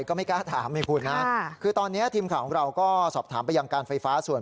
ก็ไม่กล้าถามไงคุณนะคือตอนนี้ทีมข่าวของเราก็สอบถามไปยังการไฟฟ้าส่วน